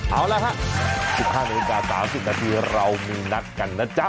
เอาล่ะค่ะสิบห้านิดหน้าสามสิบนาทีเรามีนักกันนะจ๊ะ